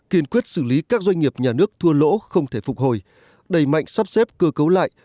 kiên quyết xử lý các doanh nghiệp nhà nước thua lỗ không thể phục hồi đẩy mạnh sắp xếp cơ cấu lại